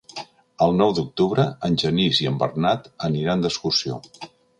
El nou d'octubre en Genís i en Bernat aniran d'excursió.